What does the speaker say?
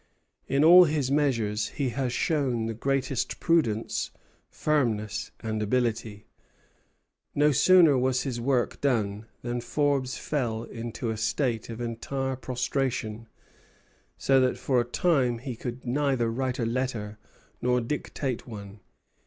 In all his measures he has shown the greatest prudence, firmness, and ability." No sooner was his work done, than Forbes fell into a state of entire prostration, so that for a time he could neither write a letter nor dictate one.